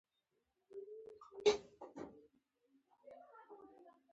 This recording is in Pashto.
د ښې حل لارې ارزیابي او انتخاب.